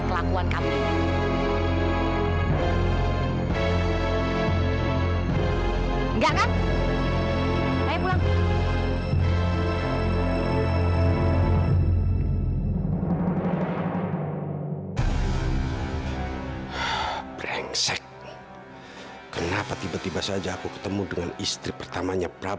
sampai jumpa di video selanjutnya